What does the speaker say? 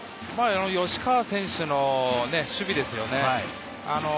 吉川選手の守備ですよね。